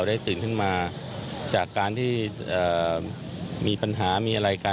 ได้ตื่นขึ้นมาจากการที่มีปัญหามีอะไรกัน